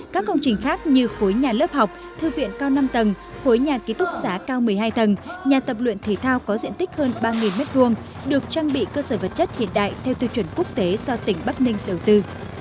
các công trình khác như khối nhà lớp học thư viện cao năm tầng khối nhà ký túc xá cao một mươi hai tầng nhà tập luyện thể thao có diện tích hơn ba m hai được trang bị cơ sở vật chất hiện đại theo tiêu chuẩn quốc tế do tỉnh bắc ninh đầu tư